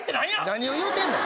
何を言うてんの？